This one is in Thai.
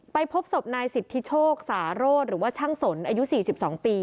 ไปพบศพนายสิทธิโชคสาโรธหรือว่าช่างสนอายุสี่สิบสองปี